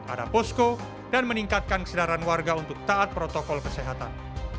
ada posko dan meningkatkan kesedaran warga untuk taat protokol kesehatan